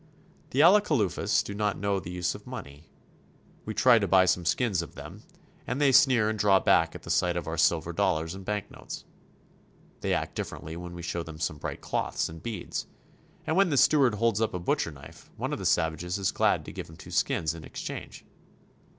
The Alacalufes do not know the use of money. We try to buy some skins of them, and they sneer and draw back at the sight of our silver dollars and bank notes. They act differently as we show them some bright cloths and beads, and when the steward holds up a butcher knife one of the savages is glad to give him two skins in exchange.